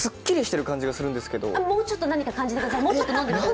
もうちょっと何か感じてください。